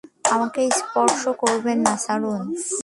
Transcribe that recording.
আমাকে স্পর্শ করবেন না, ছাড়ুন।